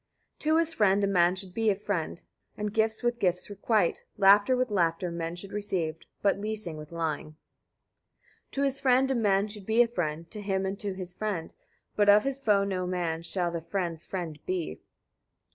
42. To his friend a man should be a friend, and gifts with gifts requite. Laughter with laughter men should receive, but leasing with lying. 43. To his friend a man should be a friend; to him and to his friend; but of his foe no man shall the friend's friend be.